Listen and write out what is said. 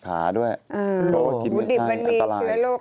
เพราะว่ากินหมูดิบอันตรายอันตรายหมูดิบมันมีเสื้อโรค